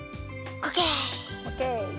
オッケー！